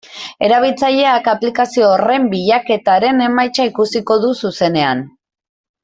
Erabiltzaileak aplikazio horren bilaketaren emaitza ikusiko du zuzenean.